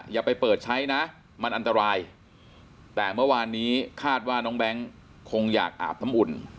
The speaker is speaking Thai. อย่าไปเปิดใช้นะมันอันตรายแต่เมื่อวานนี้คาดว่าน้องแบงค์คงอยากอาบน้ำอุ่น